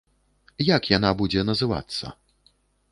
Як яна будзе называцца?